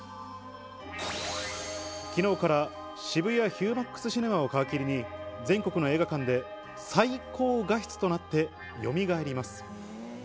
昨日から渋谷ＨＵＭＡＸシネマを皮切りに、全国の映画館で最高画質となって、よみがえります。